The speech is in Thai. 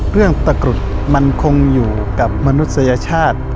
ตะกรุดมันคงอยู่กับมนุษยชาติ